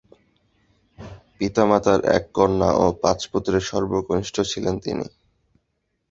পিতামাতার এক কন্যা ও পাঁচ পুত্রের সর্বকনিষ্ঠ ছিলেন তিনি।